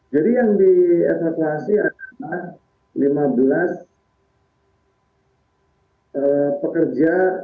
jadi yang dievakuasi adalah lima belas pekerja